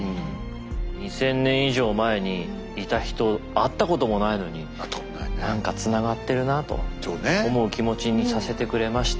２，０００年以上前にいた人会ったこともないのに何かつながってるなと思う気持ちにさせてくれました。